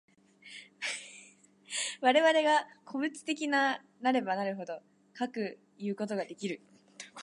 我々が個物的なればなるほど、かくいうことができる。